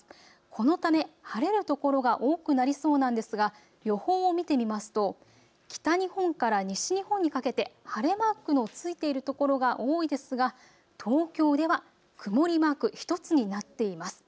このため晴れる所が多くなりそうなんですが、予報を見てみますと、北日本から西日本にかけて晴れマークのついている所が多いですが、東京では曇りマーク１つになっています。